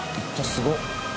すごっ！